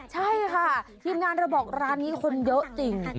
ใช่ค่ะทีมงานเราบอกร้านนี้คนเยอะจริง